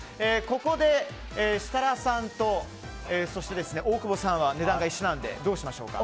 ここで設楽さんと大久保さんは値段が一緒なのでどうしましょうか。